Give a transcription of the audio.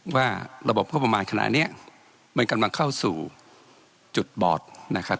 ว่าระบบงบประมาณขณะนี้มันกำลังเข้าสู่จุดบอดนะครับ